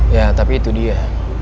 ya tapi itu dia